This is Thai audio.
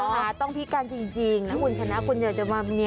เกิดวันท้องผิการจริงถ้าคุณชนะคุณจะจำเปิดเนี่ยแม่เลย